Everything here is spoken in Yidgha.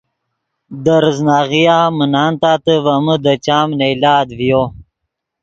دے ریزناغیہ من نان تاتے ڤے من دے چام نئیلات ڤیو